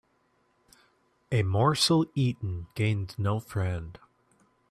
A morsel eaten gains no friend